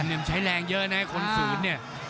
ขยมใช้แรงเยอะนะคนศูนย์เนี่ย